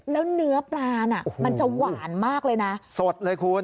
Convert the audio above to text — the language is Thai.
แล้วเนื้อปลาน่ะมันจะหวานมากเลยนะสดเลยคุณ